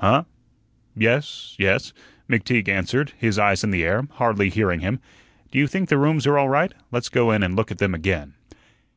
"Huh? Yes, yes," McTeague answered, his eyes in the air, hardly hearing him. "Do you think the rooms are all right? Let's go in and look at them again."